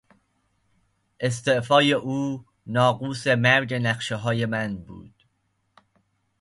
استعفای او ناقوس مرگ نقشههای من بود.